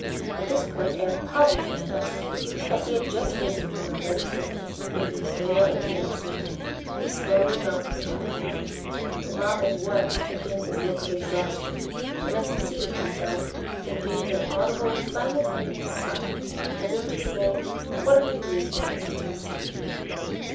At this point Aaron Powell joined us. As he had just risen from a bed of sickness, looking pale and emaciated, he slowly mounted the platform. The mob at once took in his look of exhaustion, and, as he seated himself, they gave an audible simultaneous sigh, as if to say, what a relief it is to be seated!